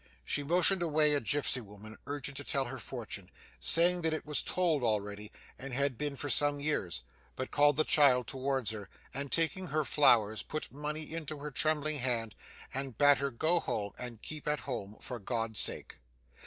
She motioned away a gipsy woman urgent to tell her fortune, saying that it was told already and had been for some years, but called the child towards her, and taking her flowers put money into her trembling hand, and bade her go home and keep at home for God's sake.